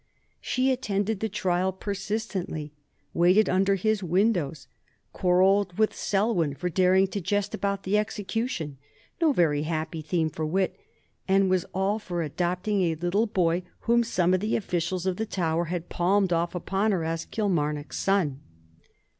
She attended the trial persistently, waited under his windows, quarrelled with Selwyn for daring to jest about the execution no very happy theme for wit and was all for adopting a little boy whom some of the officials of the Tower had palmed off upon her as Kilmarnock's son.